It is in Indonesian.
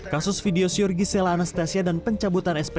kasus video syurgi sela anastasia dan pencabutan sp tiga